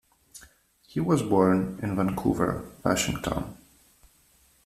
He was born in Vancouver, Washington.